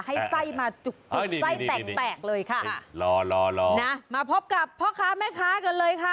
ให้ไส้มาจุกจุกไส้แตกแตกเลยค่ะรอรอนะมาพบกับพ่อค้าแม่ค้ากันเลยค่ะ